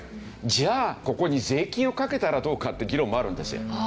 じゃあここに税金をかけたらどうかって議論もあるんですよ。